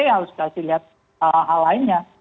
harus kasih lihat hal lainnya